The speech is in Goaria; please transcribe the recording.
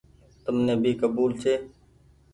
تم ني ڀي ڪبول ڇي۔